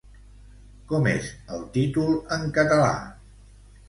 Com és el títol en català?